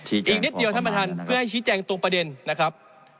อีกนิดเดียวท่านประธานเพื่อให้ชี้แจงตรงประเด็นนะครับ